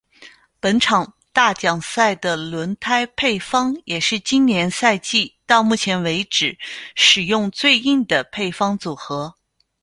本场大奖赛的轮胎配方也是今年赛季到目前为止使用最硬的配方组合。